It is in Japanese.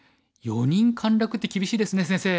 ４人陥落って厳しいですね先生。